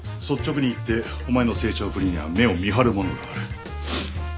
率直に言ってお前の成長ぶりには目を見張るものがある。